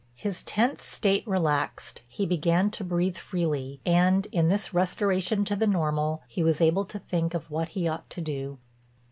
His tense state relaxed, he began to breathe freely, and, in this restoration to the normal, he was able to think of what he ought to do.